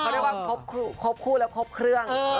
เขาเรียกว่าครบคู่แล้วครบเครื่อง